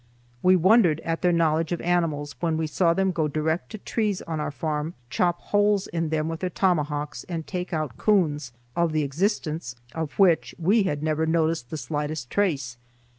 We wondered at their knowledge of animals when we saw them go direct to trees on our farm, chop holes in them with their tomahawks and take out coons, of the existence of which we had never noticed the slightest trace.